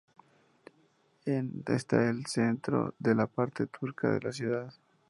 Está en el centro de la parte turca de la ciudad.